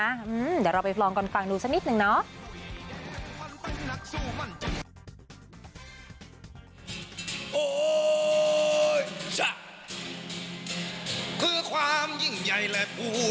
เดี๋ยวเราไปลองกันฟังดูสักนิดหนึ่งเนาะ